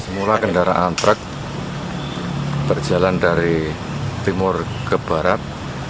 semula kendaraan truk berjalan dari timur ke barat